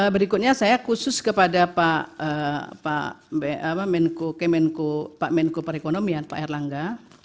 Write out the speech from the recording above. berikutnya saya khusus kepada pak menko pak menko perekonomian pak erlangga